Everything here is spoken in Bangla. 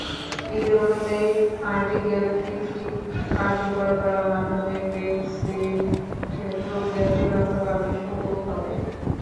বিধি অনুযায়ী আর্টিকেল ফিফটি কার্যকর করার মাধ্যমেই ব্রেক্সিট প্রক্রিয়া চূড়ান্তভাবে শুরু হবে।